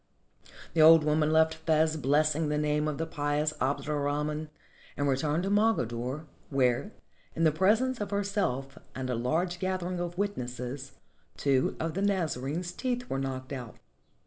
The old woman left Fez blessing the name of the pious Abd er Rahman and returned to Mogador, where, in the presence of herself and a large gathering of witnesses, two of the Nazarene's teeth were knocked out.